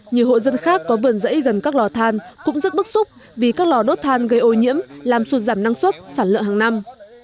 nhiều hộ dân khác có vườn rẫy gần các lò than cũng rất bức xúc vì các lò đốt than gây ô nhiễm làm sụt giảm năng suất sản lượng hàng năm